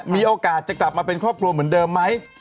มีโอกาสจะกลับมาเป็นครอบครัวเหมือนเดิมไหม